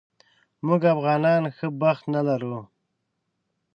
موږ افغانان ښه بخت نه لرو